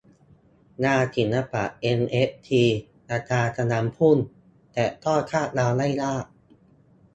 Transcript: งานศิลปะเอ็นเอฟทีราคากำลังพุ่ง แต่ก็คาดเดาได้ยาก